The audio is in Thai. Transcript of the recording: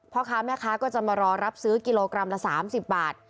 พ่อค้าแม่ค้าก็จะมารอรับซื้อกิโลกรัมละ๓๐บาท